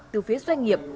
từ phía doanh nghiệp